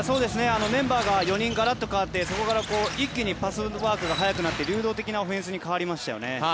メンバーが４人ガラッと代わってそこから一気にパスワークが速くなって流動的なオフェンスに変わりましたよね。